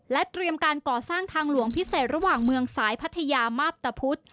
เตรียมการก่อสร้างทางหลวงพิเศษระหว่างเมืองสายพัทยามาพตะพุธ